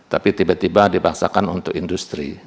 tapi tiba tiba dipaksakan untuk industri